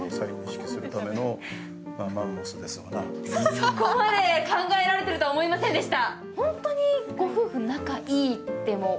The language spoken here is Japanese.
そこまで考えられてるとは思いませんでした。